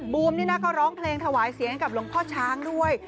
บูมนี่นะก็ร้องเพลงถวายเสียงให้กับหลวงพ่อช้างด้วย